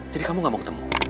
jadi kamu gak mau ketemu